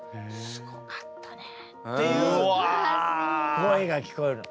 声が聞こえるの。